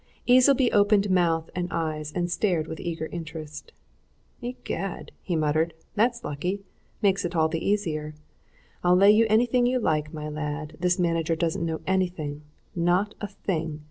Easleby opened mouth and eyes and stared with eager interest. "Egad!" he muttered. "That's lucky! Makes it all the easier. I'll lay you anything you like, my lad, this manager doesn't know anything not a thing!